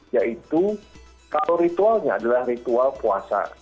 yaitu kalau ritualnya adalah ritual puasa